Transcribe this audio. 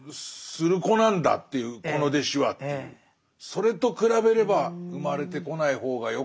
それと比べれば生まれてこない方がよかった。